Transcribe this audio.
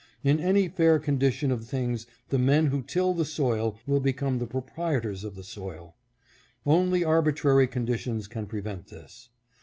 In any fair condition of things the men who till the soil will become proprietors of the soil. Only arbitrary conditions can prevent this.